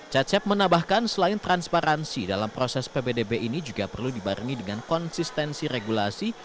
cecep menambahkan selain transparansi dalam proses ppdb ini juga perlu dibarengi dengan konsistensi regulasi